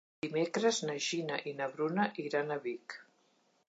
Dimecres na Gina i na Bruna iran a Vic.